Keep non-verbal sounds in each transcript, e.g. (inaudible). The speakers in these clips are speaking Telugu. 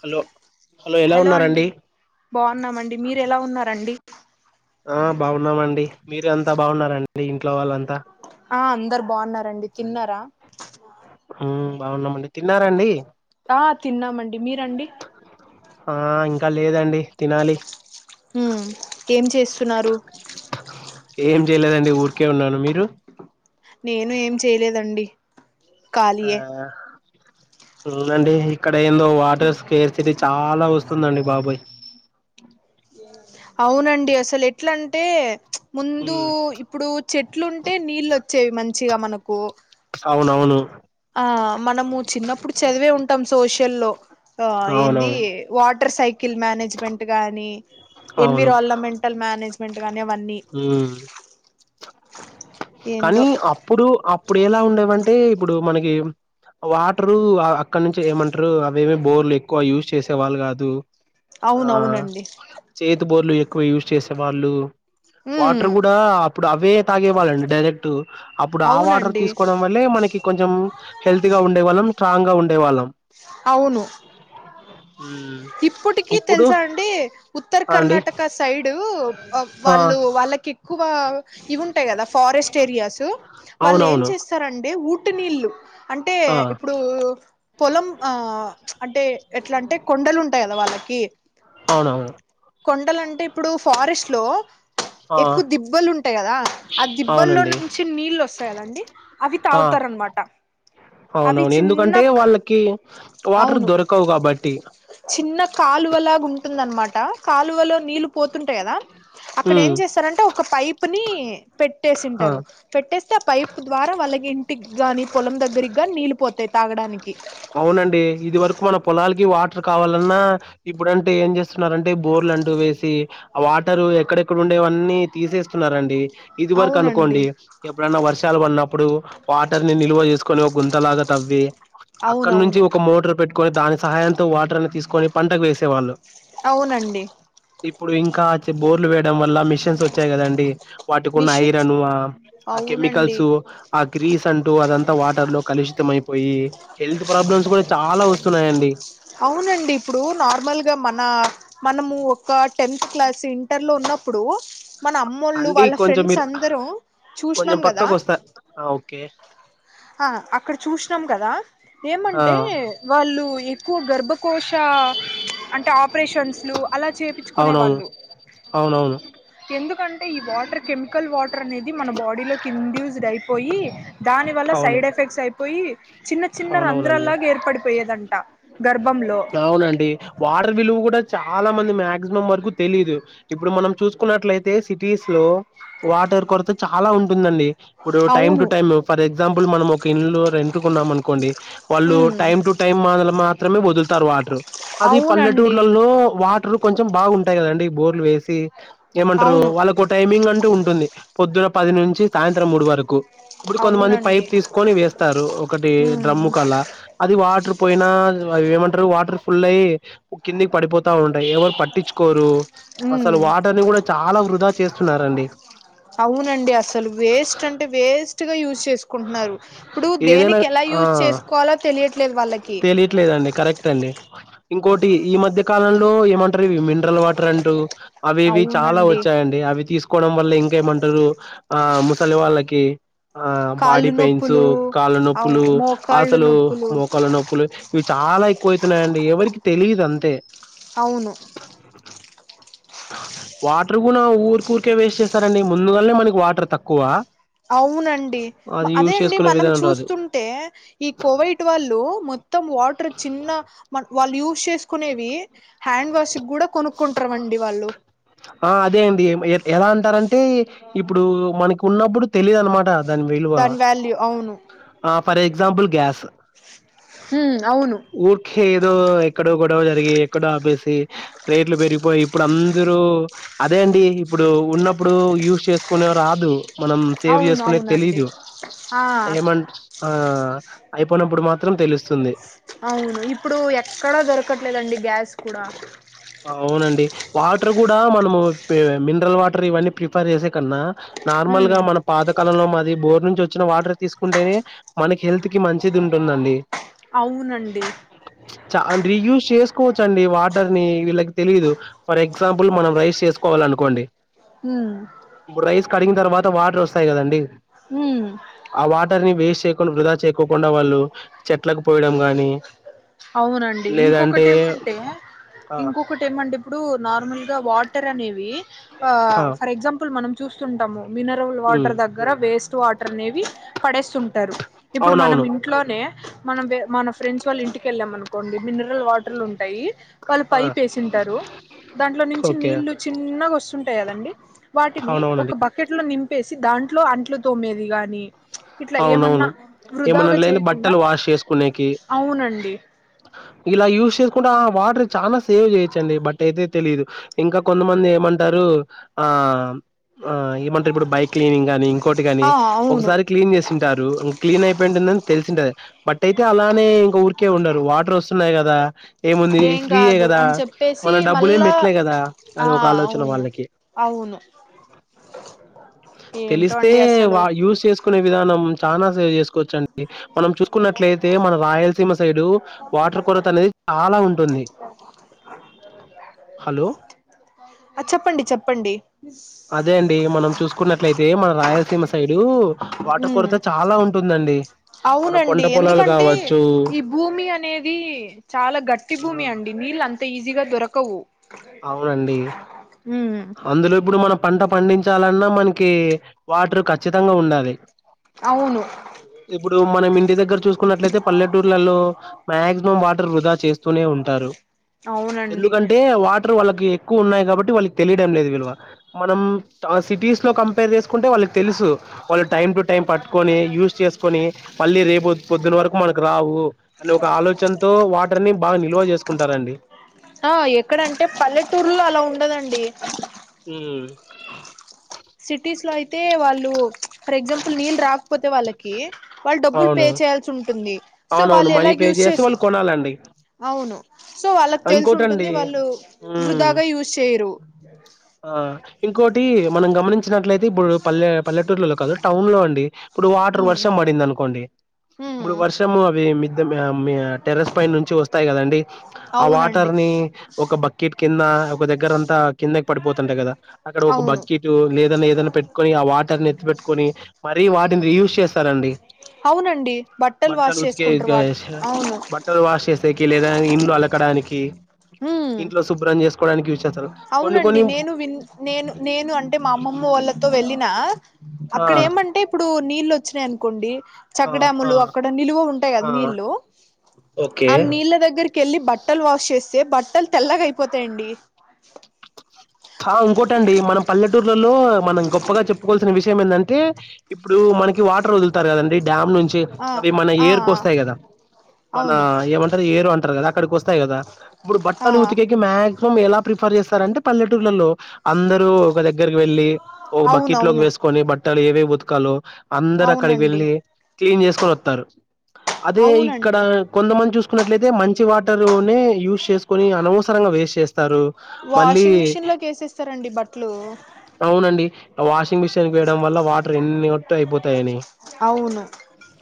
హలో హలో ఎలా ఉన్నారండి బాగున్నామండి మీరు ఎలా ఉన్నారండి ఆ బాగున్నామండి మీర అంతా బాగున్నారండి ఇంట్లో వాళ్ళంతా ఆ అందరు బాగున్నారండి తిన్నారా బాగున్నామండి తిన్నారండి ఆ తిన్నామండి మీరండి ఆ ఇంకా లేదండి తినాలి ఏం చేస్తున్నారు ఏం చేయలేదండి ఊరికే ఉన్నాను మీరు నేను ఏం చేయలేదండి ఆ ఖాళీయే అవునండి ఇక్కడ ఏందో వాటర్ స్కేర్ సిటీ చాలా వస్తుందండి బాబాయ్ అవునండి అసలు ఎట్లాంటే ముందు ఉమ్ ఇప్పుడు చెట్లుంటే నీళ్ళు వచ్చేవి మంచిగా మనకు అవునవును ఆ మనము చిన్నప్పుడు చదివే ఉంటాం సోష లో అవునవును వాటర్ సైకిల్ మేనేజ్మెంట్ కానీ అవును ఎన్విరాల్మెంటల్ మేనేజ్మెంట్ కానీ అవన్నీ ఉమ్ కానీ ఏందో అప్పుడు అప్పుడు ఎలా ఉండేవం టే ఇప్పుడు మనకి వాటరు అక్కడ నుంచి ఏమంటారు అవేమీ బోర్లు ఎక్కువ యూజ్ చేసే వాళ్ళు కాదు ఆ అవునవునండి చేతు బోలు ఎక్కువ యూజ్ చేసే వాళ్ళు ఉమ్ వాటర్ కూడా అప్పుడు అవే తాగే వాళ్ళండి డైరెక్ట్ అప్పుడు ఆ వాటర్ అవునండి తీసుకోవడం వల్లే మనకి కొంచెం హెల్తీ గా ఉండే వాళ్ళం స్ట్రాంగ్ గా ఉండేవాళ్ళం అవును ఉ ఇప్పటికీ తెలుసా అండి ఉత్తర ఆ అండి కర్ణాటక సైడ్ ఆ వాళ్ళు వాళ్ళ ఎక్కువ ఇ ఉంటాయి కదా ఫారెస్ట్ ఏరియాస్ వాళ్ళు ఏం అవునవును చేస్తారాంటే ఉట్టి నీళ్ళు అంటే ఆ ఇప్పుడు పొలం ఆ అంటే ఎట్లా అంటే కొండలు (unintelligible) వాళ్ళకి అవునవును కొండలంటే ఇప్పుడు ఫారెస్ట్ లో ఆ ఎక్కువ దిబ్బలు ఉంటాయ్ గాదా, ఆ దిబ్బల్లో అవునండి నుంచి నీళ్ళు వసయ్ అదండి. అవి ఆ తావత్ కొర్రన్ మాట అవునవును, ఎందుకంటే వాళ్ళకి వాటర్ అవును దొరకవ్ గాబట్టి. చిన్న కాలువలాగా ఉంటుంద్ అనమాట కాలువలో నీళ్లు పోతుంటాయ్ గదా. అక్కడ ఏం ఉమ్, జేసరంటే ఒక పైపుని ఆ పెట్టేసింటరు. పెట్టేస్తే ఆ పైప్ ద్వారా వాళ్ళక్ ఇంటి గాని పొలం దగ్గరిగ్ అవునండి. ఇది వరకు మన పొలాలకి వాటర్ కావాలన్నా ఇబ్బుడంటే ఏం జేస్తున్నారంటే బోర్లు అంటూ వేసి ఆ వాటరు ఎక్కడెక్కడ ఉండేవన్ నీ తీసేస్తున్నారండి. ఇది వరకు అవునండి అనుకోండి ఎప్పుడనా వర్షాలు పడినప్పుడు వాటర్ నీ నిల్వ జేసుకొని ఒక గుంతలాగా తవ్వి అక్కడ నుంచి అవునవును ఒక మోటరు పెట్ కొన్ దాని సహాయంతో వాటర్ అని తీసుకొని పంటకు వేసేవాళ్ళు. అవునండి ఇప్పుడు ఇంకాచ్ బోర్లు వేయడం వల్ల మిషెన్స్ వచ్చాయి గదండి. వాటిక్ ఉన్న మిషన్స్ ఐరను ఆ అవునండి సిమికల్సు ఆ గ్రీస్ తంటూ అదంతా వాటర్ లో కలుషితం అయిపోయి హెల్త్ ప్రాబ్లమ్స్ కూడా చాలా వస్తున్నాయండి. అవునండి, ఇప్పుడు నార్మల్గా మన మనము ఒక టెన్త్ క్లాస్ ఇంటర్ లో ఉన్న అప్పుడూ మన అమ్మోళ్ళు అండి వాళ్ళ కొంచెం ఫ్రెండ్స్ మీరు అందరూ కొంచెం చూశనం గాదా పక్కకు వస్తా ఆ, ఓకే ఆ అక్కడ చూశనం గాదా ఆ ఏమంటే వాళ్ళు ఎక్కువ గర్భబ్ కోశా అంటే అప్ప్రెచ్చన్సలు అలా చేపించుకొనే అవునవును వాళ్ళు అవునవును ఎందుకంటే ఈ వాటర్ కెమికల్ వాటర్ అనేద్ ఇది మన బాడీ లోకి ఇంధ్యుజడ్ అయిపోయి దాని వల్ల అవును సైడ్ ఎఫెక్ట్స్ అయిపోయి చిన్న చిన్న అవునవునండి రంధ్రాలాగా ఏర్పడిపోయేదంట గర్భంలో అవునండి వాటర్ విలువ కూడా చాలా మంది మ్యాగజు నమ్మారుగు తెలీదు ఇప్పుడు మనం చూసుకున్నట్లైతే సిటీస్ లో వాటర్ కొరత చాలా ఉంన్ టుందండి ఇప్పుడు టైమ్ టు అవును టైము ఫర్ ఎగ్జాంపుల్ మనం ఒక ఇన్లో రెంటుకున్నాం అనుకోండి. వాళ్ళు ఉమ్ టైమ్ టూ టైమ్ మాలు మాత్రమే వదుల్ తార్ వాటర్ అది అవునండి పల్లెటూర్లలో వాటర్ కొంచెంబావుంటాయ్ కదండి. బోర్ లూ వేసి ఏమంట్రు. అవును వాళ్ళక్ ఓ టైమింగ్ అంటూ ఉన్ ఉంది. పొద్దున పది నుంచి సాయంత్రం మూడు వరకు. ఇప్పుడు కొంతమంది అవునండి పైప్ తీసుకొని వేస్తారు ఒకటి ఉమ్ డ్రమ్ముక్ అలా అది వాటర్రు పోయినాద్ అవి ఏమంటారు. వాటర్ ఫుల్ అయి కిందికి పడిపోతా ఉంటాయి ఎవరు పట్టించుకోరు అసలు ఉమ్ వాటర్నీ గూడా చాలా వృధా చేస్తున్నారండి. అవునండి అసలు వేస్ట్ అంటే వేస్ తుగా యూచ్ చేసుకుంటన్నారు. ఇప్పుడు ఏదైనా దేనికి ఎలా ఆ యూచ్ చేసుకోవాలో తెలియాద్ తెలియట్లేదండి కరెక్ట్ అండి. ఇంకోటి ఈ మధ్య కాలంలో ఏమంటర్రు. ఇవి మిండ్రాల్ వాటర్ అంటూ అవి ఇవి చాలా అవునండి వచ్చాయండి. అవి తీసుక్ కోడం వల్ల ఇంకేమంటారు. ఆ ముసలి వాళ్ళకి ఆ బాడీ కాళ్ళు పెయిన్స్ నొప్పులు కాళ్ళ అవు నొప్పులు మోకాళ్ళు అసలు నొప్పులు మోక్ పులే ఇవి చాలా ఎక్కువైతున్నాయండి. ఎవరికి తెలిదు అంతే అవును వాటర్ గూనా ఊరుక్ ఊరికే వేస్ట్ చేసరండి. ముందుగాల్నే మనకి వాటర్ తక్కువ అవునండి. అది అదే యూజ్ అండి చేసుకునే మనం విధానం రాదు చూస్తుంటే ఈ కోవైట్ వాళ్ళు మొత్ తం. వాటర్ చిన్న మన్ వాళ్ళు యూస్ చేసుకునేవి, హ్యాండ్ వాష్ కూడా కొనుక్కుంటర్ వన్ ఇవాళ్ళో ఆ అదే అండి. ఏత్ ఎలా అంటారంటే ఇప్పుడు మనకు ఉన్నప్పుడు తెలిద్ అనమాట దన్ విలువా దాని వాల్యూ అవును ఆప్ ఫర్ ఎగ్జాపుల్ గ్యాస్ ఉమ్, అవును ఊర్కీ కేదో ఎక్కడో గొడవ జరిగి, ఎక్కడో ఆపేసి రేట్లు పెరిగిపోయి ఇప్పుడు అందరూ అదే అండి. ఇప్పుడు ఉన్నప్పుడు యూచ్ చేసుకునే రాదు. మనం సేవ్ అవును చేసుకునే అవునండి తెలీదు ఆ ఏమంట ఆ అయిపోయినప్పుడు మాత్రం తెలుస్తుంది అవును ఇప్పుడు ఎక్కడా దొరకట్లేదండి గ్యాస్ కూడా అవునండి. వాటర్ కూడా మనము మినరల్ వాటర్ ఇవన్నీ ప్రిఫర్ చేసే కన్నా నార్మల్ ఉమ్ గా మన పాతకాలంలో మాది బోర్ నుంచి వచ్చిన వాటర్ తీసుకుంటేనే మనకి హెల్త్ కి మంచిది ఉంటుందండి అవునండి రియూస్చేసుకోవచ్చుండి వాటర్ ని వీళ్ళకి తెలీయదు ఫర్ ఎగ్జాంపుల్ బ్బులు మనం రైస్ చేసుకోవాలి అనుకోండి ఉమ్ ఇప్పుడు రైస్ కడిగిన తర్వాత వాటర్ వస్తాయి కదండి ఉమ్ ఆ వాటర్ ని వేస్ట్ చేయకుండా వృధా చేయకోకుండా వాళ్ళు చెట్లకు పోయడం గాని అవునండి ఇంకొకటి ఏమంటే ఆ! ఇంకొకటి ఏమండి ఇప్పుడు నార్మల్ వాటర్ అనేవి ఆ ఫర్ ఎగ్జాంపుల్ మనం చూస్తుంటాము మినరల్ హ్మ్. వాటర్ దగ్గర వేస్ట్ వాటర్ అనేవి పడేస్తుంటారు ఇప్పుడు మనం అవునవును. ఇంట్లోనే మనం మన ఫ్రెండ్స్ వాళ్ళ ఇంటికి వెళ్ళాం అనుకోండి మినరల్ వాటర్లు ఉంటాయి వాళ్ళు ఆ! పై ప వేసింటారు దాంట్లో నుంచి ఓకే. నీళ్లు చిన్నగా వస్తుంటాయి కదండి వాటిని అవునవునండి. ఒక బకెట్ లో నింపి ప్పేసి దాంట్లో అట్లు తోమ్మేది గాని అవునవును ఏమనట్లే చేయకుండా బట్టలు వాష్ చేసుకునేకి అవునండి. ఇలా యూస్చేసుకుంటే ఆ వాటర్ చాలా సేవ్ చేయొచ్చండి బట్ అయితే తెలియదు ఇంకా కొంతమంది ఏమంటారు ఆ ఏమంటారు ఇప్పుడు బైక్ క్లీనింగ్ కానీ కోటి కాని ఆ అవును ఒకసారి చేసింటారు క్లీన్ అయిపోయింటందని తెలిసింట బట్ అయితే అలానే ఇంకా ఊకే ఉండరు వాటర్ వస్తున్న కదా ఏముంది ఏం ఫ్రీయ కాదు కదా అని చెప్పేసి మన డబ్బులు ఏమి మళ్ళా మట్టలే కదా అది ఆ ఒక ఆలోచన అవును వాళ్ళకి అవును ఏంటో తెలిస్తే అండి అసలు వా యూజ్ చేసుకునే విధానం చాలా సేవ్ చేసుకు కోచ్చండి మనం చూసుకున్నట్లయితే మన రాయలసీమ సైడ్ వాటర్ కొరత అనేది చాలా ఉంటుంది ధి చెప్పండి చెప్పండి అదే అండి మనం చూసుకున్నట్లయితే మన రాయలసీమ సైడు వాటర్ ఉమ్ కొరత చాలా ఉంటుందండి మన అవునండి పంట పొలాలు ఎందుకంటే కావచ్చు ఈ భూమి అనేది చాలా గట్టి ఆ భూమి అండి నీళ్ళు అంత ఈజీగా దొరకవు అవునండి. అందులో ఇప్పుడు మనం పంట పండించాలన్నా మనకి వాటర్ కఖచ్చితంగా ఉండాలి అవును ఇప్పుడు మనం ఇంటి దగ్గర చూసుకున్నట్లయితే పల్లెటూర్లలో మాక్సిమం వాటర్ వృధా చేస్తూనే ఉంటారు అవునండి ఎందుకంటే వాటి వల్లాకి ఎక్కువ వైన్నే అబట్టి థెలిడమ్ లెధు విలువ మనం సీటీస్ లో కంపారే చెస్థే టే వాళ్ళకి తెలుసు వాళ్ళు టైం టు టైం పట్టుకొని యూస్ చేసుకనిళ్లి రేపు పొద్న వరకు మన రావు అనే ఒక ఆలోచనతో వాటర్ని బాగా నిల్వ చేసుకుంటారండి ఆ ఎక్కడంటే పల్లెటూర్లో అలా ఉండదండి ఉమ్ సిటీస్ లో అయితే వాళ్ళు ఫర్ ఎగ్జాంపుల్ నీళ్ళు రాకపోతే వాళ్ళకి వాళ్ళు డబ్బులు పే అవును చేయాల్సి ఉంటుంది సో వాళ్ళు ఎలా యూస్ చేసే వాళ్ళు కొనాలండి అవును సో వాళ్ళకి తెలుసు ఉంటుంది ఇంకోటండి వాళ్ళు ఉమ్ వృధాగా యూజ్ చేయరు ఆ ఇంకోటి మనం గమనించినట్లయితే ఇప్పుడు పల్లె పల్లెటూర్లలో కాదు టౌన్ లో అండి ఇప్పుడు వాటర్ ఉమ్ వర్ష పడింది అనుకోండి ఇప్పుడు వర్షము అవి మిద్ద మి టెరెస్ పైన నుంచి వస్తాయి కదండి ఆ అవునండి వాటర్ని ని ఒక బకెట్ కింద ఒక దగ్గరంతా కిందకి పడిపోతుంటయి కదా అక్కడ ఒక అవును బకెట్ ఏదన్నా ఏదనా పెట్టుకొని ఆ వాటర్ని ఎత్తు పెట్టుకొని మరీ వాటిని రియూస్ చేస్తారండి అవునండి వాష్ బట్టలు ఉతికే చేసుకుంటారు గ వాట్ స అవును బట్టలు వాష్ చేసేకి లేదా ఇన్లు అలకడానికి ఉమ్ ఇంట్లో శుభ్రం చేసుకొ అవునండి నేను విన్ నేను నేను అంటే మా అమ్మమ్మ వాళ్ళతో వెళ్లిన ఆ అక్కడ ఏమంటే ఇప్పుడు నీళ్ళు వచ్చినాయినుకోండి ఆ చెక్ ఆ డాములు అక్కడ నిలువ ఉంటాయి కదా ఆ నీళ్లు ఓకే ఆ నీళ్ళ దగ్గరికి కెళ్ళి బట్టలు వాష్ చేస్తే బట్టలు తెల్లగా అయిపోతాయండి ఆ ఇంకోటండి మనం పల్లెటూర్లలో మనం గొప్పగా చెప్పుకోవాల్సిన విషయం ఏంది అంటే ఇప్పుడు మనకి వాటర్ వోదులుతారు కదండి డ్యామ్ నుంచి ఆ అవి మన ఆ ఏరు కు వస్తాయి కదా మన అవును ఏమంటారు ఏరు అంటారు కదా అక్కడికొస్త స్తాయి కదా ఇప్పుడు ఆ బట్టలు ఉతికేకి మాక్సిమం ఎలా ప్రిఫర్ చేస్తారంటే పల్లె లలో అందరుూ ఒక దగ్గరకి వెళ్ళలి ఒక బకెట్ లోకి అవునవును వేసుకొని బట్టలు ఏవే ఉతు కాలో అందరు అక్కడికి అవునండి వెళ్ళి క్లీన్ చేసుకొని ఓతరు అదే ఇక్కడ అవునండి కొంతమంది చూస్ కున్నట్లయితే మంచి వాటరునే యూస్ చేసుకొని అనవసరంగా వేస్ట్ చేస్తారు మళ్ళీ కేసేస్తారంండి బట్టలు అవునండి. ఆ వాషింగ్ మిషిన్ కు వేయడం వల్ల వాటర్ ఎన్ని ఒట్టు అయిపోతాయని అవును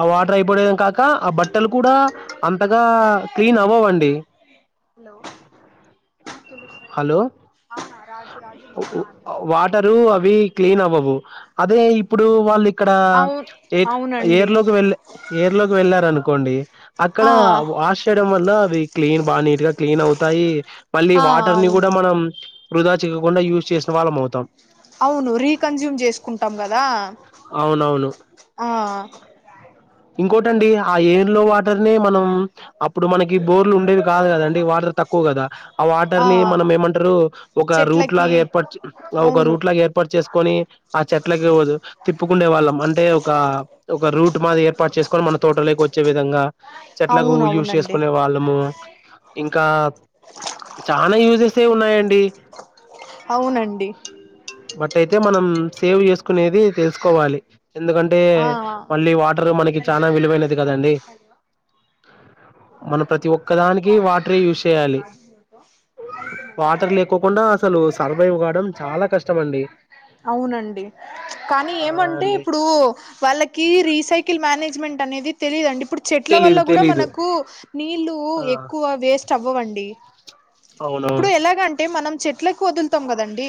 ఆ వాటర్ అయిపోడం కాక కా ఆ బట్టలు కూడా అంతగా క్లీన్ అవ్వవండి హలో! ఆహా వాటరు అవి క్లీన్ అవ్వవు అదే ఇప్పుడు వాళ్ళు ఇక్కడ అవును ఏరు అవునండి లోకి వెళ్ ఎర్ లోకి వెళ్ళారనుకోండి అక్కడ ఆ వాష్ చేయడం వల అవి క్లీన్ బా నీట్ గా క్లీన్ అవుతాయి మళ్ళీ ఆ వాటర్ ని అవును కూడా మనం వృధా చే కుండా యూజ చేసినవాళ్ళం అవుతాం అవును రీకన్జూమ్ చేసుకుంటాం కదా అవునవును. ఆ ఇంకోటండి ఆ ఏర్ లో వాటర్ నే మనం అప్పుడు మనకి బోర్లు ఉండేవి కాదు కదండి వాటర్ తక్కువ కదా ఆ వాటర్ ని మనం ఏమంటారు ఒక రూట్ చెట్లకి లాగా ఏర్పాటు ఒక అవును రూట్ లాగా ఏర్పాటు చేసుకొని ఆ చెట్లకి ఇవ్వదు తిప్పుకుండే వాళ్ళం అంటే ఒక ఒక రూట్ మాది ఏర్పాటు చేసుకొని మన తోటలోకి వచ్చే విధంగా చెట్లకు యూజ అవునవునండి చేసుకునే వాళ్ళము ఇంకా చనా యూజెస్ యే ఉన్నాయండి అవునండి బట్ అయితే మనం సేవ్ చేసుకునేది తెలుసుకోవాలి ఎందుకంటే ఆ మళ్ళీ వాటర్ మనకి చానా విలువైనది కదండి మన ప్రతి ఒక్క అ ఫడు రాజీ అ కోకుండా అసలు సర్వైవ్ కావడం చాలా కష్టమ అండి అవునండి కానీ ఆ ఏమంటే అండి ఇప్పుడు వాళ్ళకి రీసైకిల్ మేనేజ్మెంట్ అనేది తెలిదుండి ఇప్పుడు చెట్ల వల్ల తెలీదు కూడా తెలీదు మనకు నీళ్లు ఆ కువ వేస్ట్ అవ్వండి ఇప్పుడు అవునవును ఎలాగంటే మనం చే చెట్లకి వోదులుతాం కదండి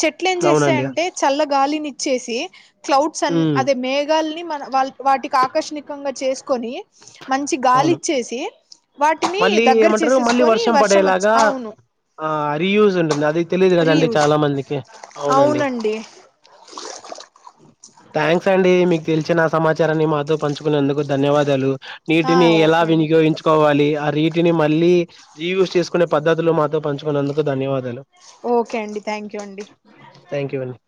చెట్లు ఏం చేస్తాయి అవునండి అంటే చల్ల గాలిని ఇచ్చేసి క్లౌడ్స్ అని ఉమ్ అదే మేఘల్ని మన వాల్ వాటికి ఆకర్షణికంగా చేసుకొని మంచి అవును గాలిచ్చేసి వాటిని మళ్ళీ దగ్గర ఏమంటారు మళ్ళీ చేసేసుకొని వర్షం వచ్చి పడేలాగా అవును ఆ రీయూజ్ ఉంటుంది అది తెలిదు కదండి రీయూజ్ చాలా మందికి అవునండి (inaudible) థ్యాంక్స్ అండి మీకు తెలిసిన సమాచారాన్ని మాతో పంచుకునేందుకు ధన్యవాదాలు ఆ నీటిని ఎలా ఓకే అండి వినియోగించుకోవాలి ఆ రీటిని మళ్ళీ రియూస్ చేసుకునే పద్ధతులు మాతో పంచుకున్నందుకు ధన్యవాదాలు ఓకే అండి థ్యాంక్ యూ అండి థ్యాంక్ యూ అండి